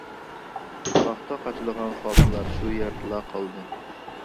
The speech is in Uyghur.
پاختا قاچىلىغان خالتىلار شۇ يەردىلا قالدى.